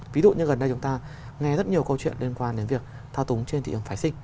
ví dụ như gần đây chúng ta nghe rất nhiều câu chuyện liên quan đến việc thao túng trên thị trường phái sinh